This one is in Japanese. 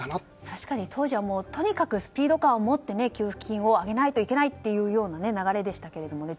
確かに当時はとにかくスピード感を持って給付金をあげないといけないという流れでしたからね。